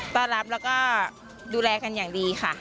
ต้อนรับแล้วก็ดูแลกันอย่างดีค่ะ